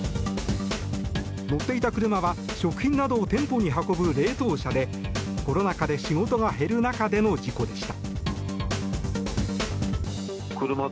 乗っていた車は食品などを店舗に運ぶ冷凍車でコロナ禍で仕事が減る中での事故でした。